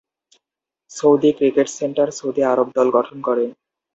Saudi cricket centre Saudi আরব দল গঠন করে।